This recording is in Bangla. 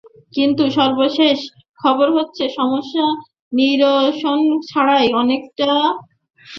কিন্তু সর্বশেষ খবর হচ্ছে, সমস্যা নিরসন ছাড়াই অনেকটা প্রতিদ্বন্দ্বিতাহীন নির্বাচন সম্পন্ন হয়েছে।